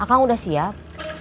akan udah siap